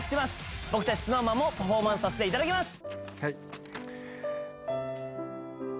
僕たちＳｎｏｗＭａｎもパフォーマンスさせていただきます。